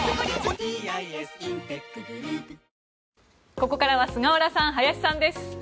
ここからは菅原さん、林さんです。